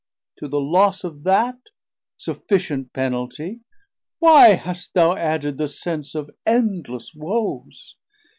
To the loss of that, Sufficient penaltie, why hast thou added The sense of endless woes?